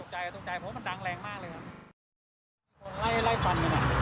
ตกใจเพราะว่ามันดังแรงมากเลยครับ